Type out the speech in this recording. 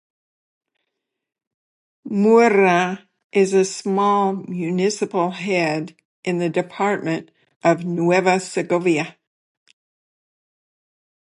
Murra is a small municipal head in the department of Nueva Segovia.